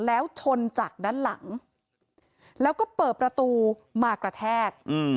แล้วชนจากด้านหลังแล้วก็เปิดประตูมากระแทก